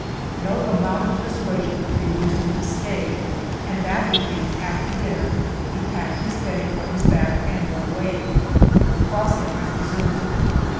No amount of persuasion could induce him to stay, and that evening after dinner he packed his bedding on his back and went away to the Crossing, I presume.